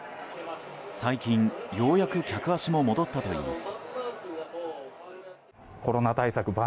最近、ようやく客足も戻ったといいます。